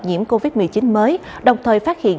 nhiễm covid một mươi chín mới đồng thời phát hiện